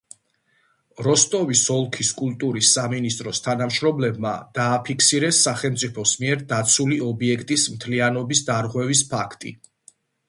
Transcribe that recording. როსტოვის ოლქის კულტურის სამინისტროს თანამშრომლებმა დააფიქსირეს სახელმწიფოს მიერ დაცული ობიექტის მთლიანობის დარღვევის ფაქტი.